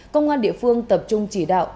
công an địa phương tập trung chỉ đạo